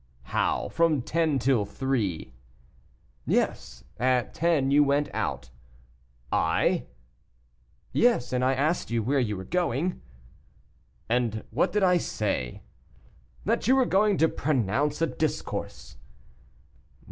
"How, from ten till three?" "Yes, at ten you went out." "I?" "Yes, and I asked you where you were going." "And what did I say?" "That you were going to pronounce a discourse."